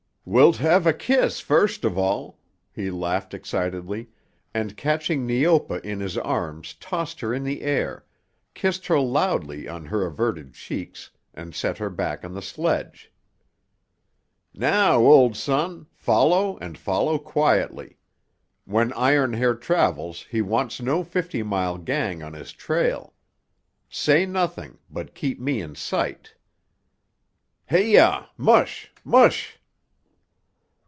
"Wilt have a kiss first of all," he laughed excitedly, and catching Neopa in his arms tossed her in the air, kissed her loudly on her averted cheeks and set her back on the sledge. "Now, old son, follow and follow quietly. When Iron Hair travels he wants no Fifty Mile gang on his trail. Say nothing, but keep me in sight. Heyah, mush, mush!"